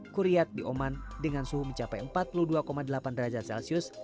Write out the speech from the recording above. kuriyat di oman dengan suhu mencapai empat puluh dua delapan derajat celcius